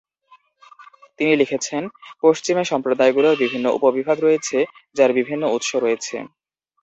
তিনি লিখেছেন, "পশ্চিমে সম্প্রদায়গুলোর বিভিন্ন উপ-বিভাগ রয়েছে যার বিভিন্ন উৎস রয়েছে।